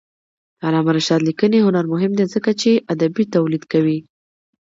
د علامه رشاد لیکنی هنر مهم دی ځکه چې ادبي تولید کوي.